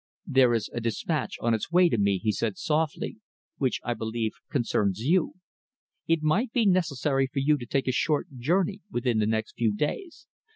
"There is a dispatch on its way to me," he said softly, "which I believe concerns you. It might be necessary for you to take a short journey within the next few days."